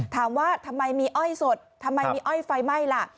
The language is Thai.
ถามว่าทำไมมีอ้อยสดทำไมมีอ้อยไฟไหม้ล่ะ